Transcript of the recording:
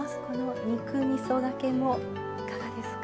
肉みそがけもいかがですか？